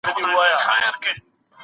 مقاومت د وخت په تېرېدو جوړېدای شي.